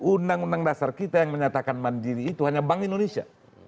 undang undang dasar kita yang menyatakan mandiri itu hanya bank indonesia